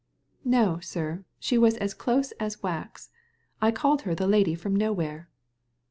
" No, sir, she was as close as wax. I called her the Lady from Nowhere."